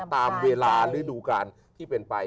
ตามเวลาฤดูการที่เป็นไป